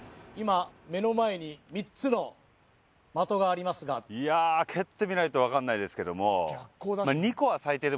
今目の前に３つの的がありますがいや蹴ってみないと分かんないですけどもなと思います